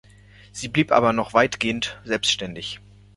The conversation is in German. Sie blieb aber noch weitgehend selbstständig.